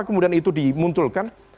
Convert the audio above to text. kemudian itu dimunculkan